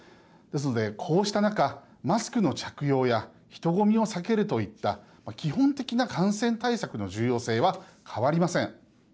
ですので、こうした中マスクの着用や人混みを避けるといった基本的な感染対策の重要性は変わりません。